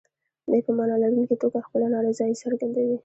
دوی په معنا لرونکي توګه خپله نارضايي څرګندوي.